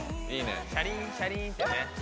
いいね。